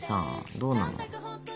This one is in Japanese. どうなの？